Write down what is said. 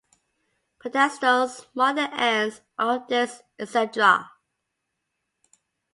Pedestals mark the ends of this exedra.